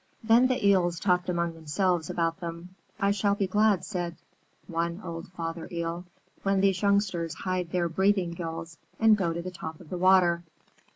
Then the Eels talked among themselves about them. "I shall be glad," said one old Father Eel, "when these youngsters hide their breathing gills and go to the top of the water."